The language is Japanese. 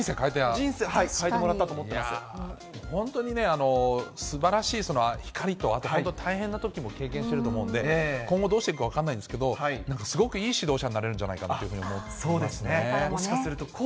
人生変えてもらったと思って本当にね、すばらしい光と、本当、大変なときも経験してると思うので、今後どうしていくか分からないんですけど、なんかすごくいい指導者になれるんじゃないかなと思いますね。